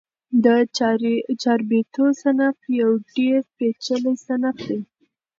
د چاربیتو صنف یو ډېر پېچلی صنف دئ.